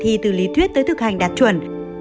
bài thi từ lý thuyết tới thực hành đạt chuẩn